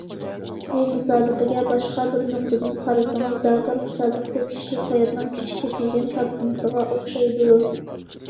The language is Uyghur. بۇ مۇسابىقىگە باشقا بىر نۇقتىدىن قارىسىڭىز، داكار مۇسابىقىسى كىشىلىك ھاياتنىڭ كىچىكلىتىلگەن كارتىنىسىغا ئوخشايدۇ.